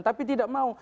tapi tidak mau